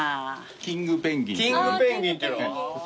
キングペンギンっていうのが。